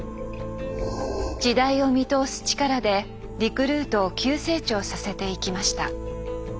時代を見通す力でリクルートを急成長させていきました。